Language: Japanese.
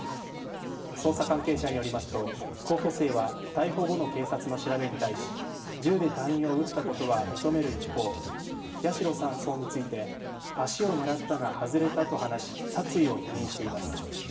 捜査関係者によりますと候補生は逮捕後の警察の調べに対し銃で隊員を撃ったことは認める一方八代３曹について足を狙ったが外れたと話し殺意を否認しています。